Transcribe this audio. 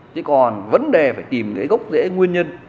chứ còn vấn đề phải tìm cái gốc dễ nguyên nhân